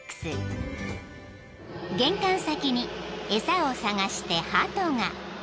［玄関先に餌を探してハトが］